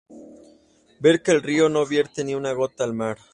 ver que el río no vierte ni una gota al mar